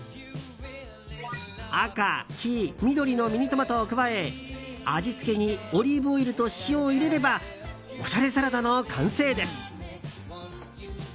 赤、黄、緑のミニトマトを加え味付けにオリーブオイルと塩を入れればおしゃれサラダの完成です。